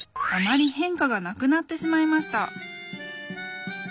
あまり変化がなくなってしまいました。